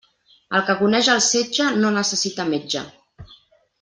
El que coneix el setge no necessita metge.